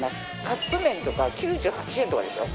カップ麺とか９８円とかですよ。